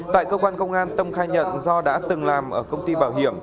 tại cơ quan công an tâm khai nhận do đã từng làm ở công ty bảo hiểm